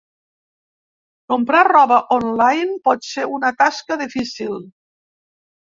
Comprar roba online pot ser una tasca difícil.